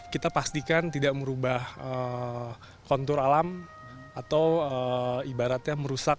kita pastikan tidak merubah kontur alam atau ibaratnya merusak